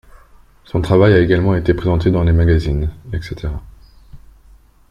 Son travail a également été présenté dans les magazines, e.g.